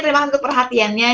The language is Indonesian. terima kasih untuk perhatiannya